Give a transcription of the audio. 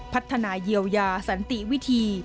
พัฒนาเยียวยาสันติวิธี